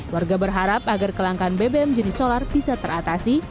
warga berharap agar kelangkaan bbm jenis solar bisa teratasi